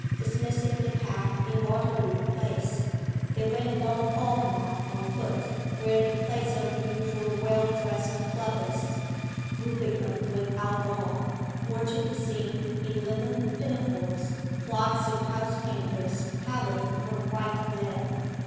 Dismissing the cab in Waterloo Place, they went along Pall Mall on foot, where in place of the usual well dressed clubbists rubicund with alcohol were to be seen, in linen pinafores, flocks of house painters pallid from white lead.